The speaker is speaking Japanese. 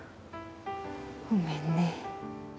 ごめんね。